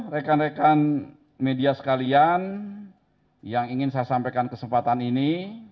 rekan rekan media sekalian yang ingin saya sampaikan kesempatan ini